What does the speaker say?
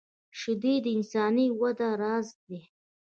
شیدې د انساني وده راز دي